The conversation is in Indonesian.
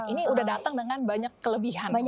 ini udah datang dengan banyak kelebihan